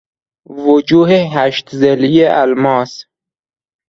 وجوه هشت ضلعی الماس